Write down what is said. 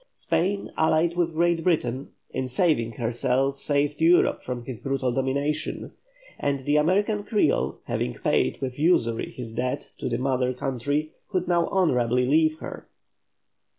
Spain allied with Great Britain, in saving herself, saved Europe from his brutal domination, and the American Creole having paid with usury his debt to the mother country could now honourably leave her.